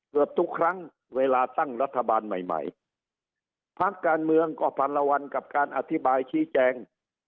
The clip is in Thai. เกือบทุกครั้งเวลาตั้งรัฐบาลใหม่ใหม่พักการเมืองก็พันละวันกับการอธิบายชี้แจง